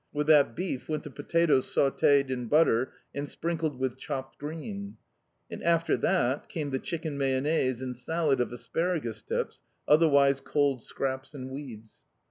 With that beef went the potatoes sautée in butter, and sprinkled with chopped green. After that came the chicken mayonnaise and salad of asparagus tips (otherwise cold scraps and weeds).